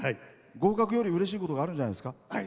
合格よりうれしいことがあるんじゃないですか。